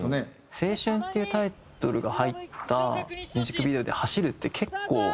「青春」っていうタイトルが入ったミュージックビデオで走るって結構。